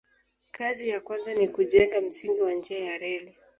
Kazi ya kwanza ni kujenga msingi wa njia ya reli.